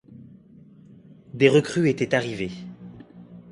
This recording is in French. Des recrues étaient arrivées.